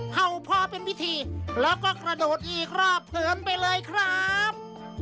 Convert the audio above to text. เห่าพอเป็นวิธีแล้วก็กระโดดอีกรอบเผินไปเลยครับ